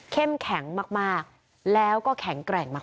แข็งมากแล้วก็แข็งแกร่งมาก